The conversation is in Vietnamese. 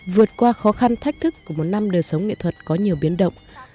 vượt qua khó khăn thách thức của một năm đời sống nghệ thuật có nhiều biến động